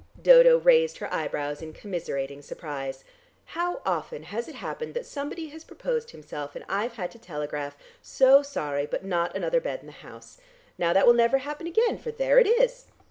Dodo raised her eyebrows in commiserating surprise. "How often has it happened that somebody has proposed himself and I've had to telegraph, 'So sorry but not another bed in the house'? Now that will never happen again, for there it is!"